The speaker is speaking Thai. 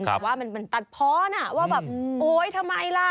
แต่ว่ามันตัดเพาะน่ะว่าแบบโอ๊ยทำไมล่ะ